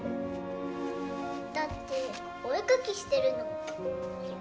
だってお絵描きしてるの。